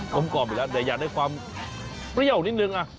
ก้มกรอบอีกแล้วแต่อยากได้ความเปรี่ยวนิดนึง